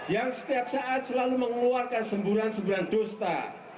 yang setiap saat selalu mengeluarkan semburan semburan dusta